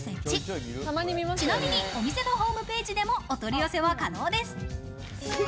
ちなみにお店のホームページでも、お取り寄せは可能です。